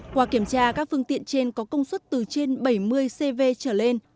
qua kiểm tra các phương tiện trên có công suất từ trên bảy mươi cv trở lên